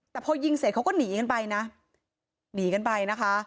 แต่พอยิงเสร็จเขาก็หนีกันไปนะหนีกันไปนะคะ